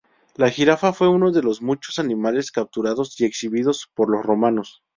La jirafa fue uno de los muchos animales capturados y exhibidos por los romanos.